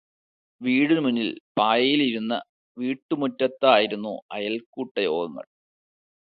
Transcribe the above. വീടിനുമുന്നിൽ പായയിൽ ഇരുന്ന് വീട്ടുമുറ്റത്ത് ആയിരുന്നു അയൽക്കൂട്ട യോഗങ്ങൾ.